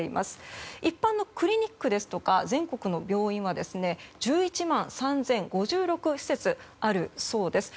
一般のクリニックですとか全国の病院は１１万３０５６施設あるそうです。